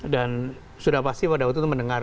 dan sudah pasti pada waktu itu mendengar